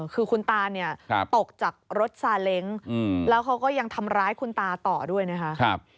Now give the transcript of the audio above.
คือคุณตาเนี่ยตกจากรถซาเล้งแล้วเขาก็ยังทำร้ายคุณตาต่อด้วยนะคะ